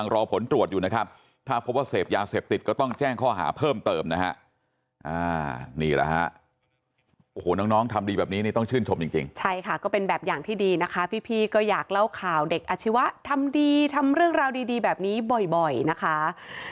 รอผลตรวจอยู่นะครับถ้าพบว่าเสพยาเสพติดก็ต้องแจ้งข้อหาเพิ่มเติมนะฮะนี่แหละฮะโอ้โหน้องทำดีแบบนี้นี่ต้องชื่นชมจริงใช่ค่ะก็เป็นแบบอย่างที่ดีนะคะพี่ก็อยากเล่าข่าวเด็กอาชีวะทำดีทำเรื่องราวดีแบบนี้บ่อยนะคะ